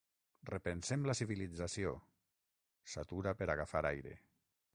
Repensem la civilització –s'atura per agafar aire–.